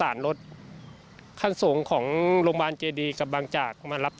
อาการน่าจะหนักครับ